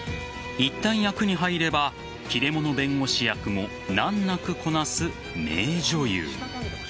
いったん役に入れば切れ者弁護士役も難なくこなす名女優。